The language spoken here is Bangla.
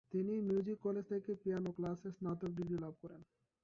তিনি মিউজিক কলেজ থেকে পিয়ানো ক্লাসে স্নাতক ডিগ্রী লাভ করেন।